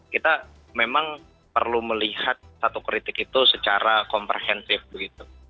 kita memang perlu melihat satu kritik itu secara komprehensif begitu